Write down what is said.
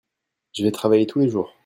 je vais travailler tous les jours.